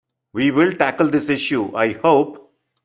We will tackle this issue, I hope.